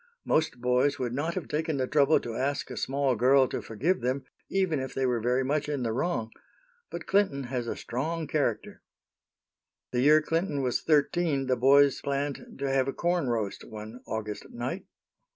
Most boys would not have taken the trouble to ask a small girl to forgive them, even if they were very much in the wrong. But Clinton has a strong character." The year Clinton was thirteen, the boys planned to have a corn roast, one August night.